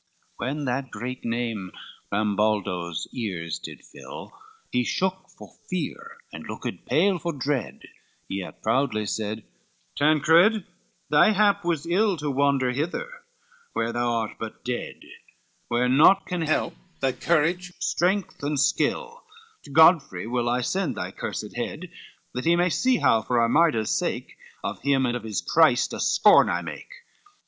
XXXV When that great name Rambaldo's ears did fill, He shook for fear and looked pale for dread, Yet proudly said, "Tancred, thy hap was ill To wander hither where thou art but dead, Where naught can help, thy courage, strength and skill; To Godfrey will I send thy cursed head, That he may see, how for Armida's sake, Of him and of his Christ a scorn I make."